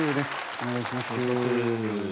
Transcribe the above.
お願いします。